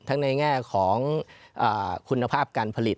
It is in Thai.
ในแง่ของคุณภาพการผลิต